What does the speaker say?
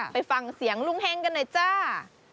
ไปฟังเสียงลุงเฮงกันหน่อยจ้า